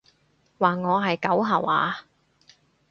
話我係狗吓話？